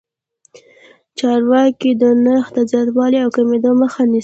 چارواکي د نرخ د زیاتوالي او کمېدو مخه نیسي.